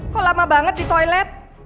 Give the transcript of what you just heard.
kok lama banget di toilet